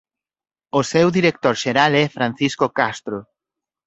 O seu director xeral é Francisco Castro.